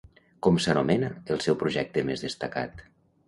Com s'anomena el seu projecte més destacat?